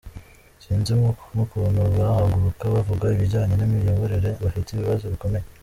Sinzi n’ukuntu bahaguruka bavuga ibijyanye n’imiyoborere, bafite ibibazo bikomeye.